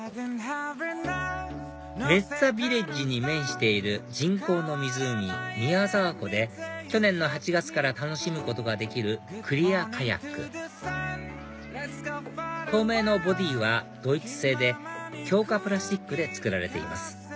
メッツァビレッジに面している人工の湖宮沢湖で去年の８月から楽しむことができるクリアカヤック透明のボディーはドイツ製で強化プラスチックで作られています